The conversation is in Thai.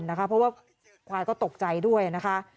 เพราะว่าควายก็ตกใจด้วยนะคะ